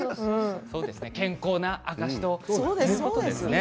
健康の証しということです。